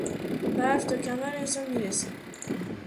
برف تا کمر انسان میرسید.